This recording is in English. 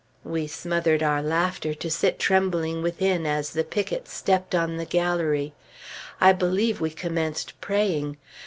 We smothered our laughter to sit trembling within as the pickets stepped on the gallery. I believe we commenced praying.